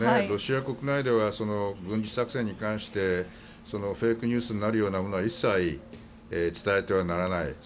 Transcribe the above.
ロシア国内では軍事作戦に関してフェイクニュースになるようなものは一切伝えてはならない。